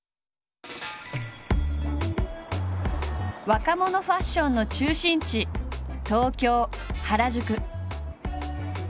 若者ファッションの中心地東京・原宿。